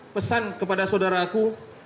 pesan kepada saudaraku